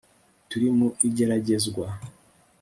turi mu igeragezwa